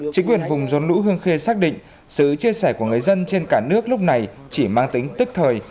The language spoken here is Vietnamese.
chính quyền vùng dồn lũ hương khê xác định sự chia sẻ của người dân trên cả nước lúc này chỉ mang tính tức thời